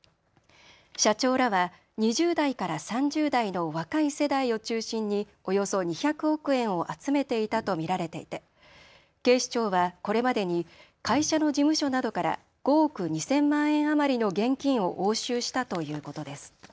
社長らは２０代から３０代の若い世代を中心におよそ２００億円を集めていたと見られていて警視庁はこれまでに会社の事務所などから５億２０００万円余りの現金を押収したということです。